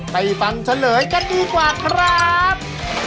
ไปฟังเฉลยกันดีกว่าครับ